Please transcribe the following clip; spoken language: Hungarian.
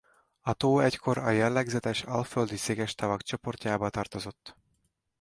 A tó egykor a jellegzetes alföldi szikes tavak csoportjába tartozott.